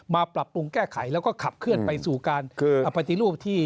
ปรับปรุงแก้ไขแล้วก็ขับเคลื่อนไปสู่การปฏิรูปที่